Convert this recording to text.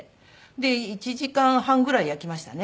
で１時間半ぐらい焼きましたね。